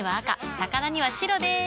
魚には白でーす。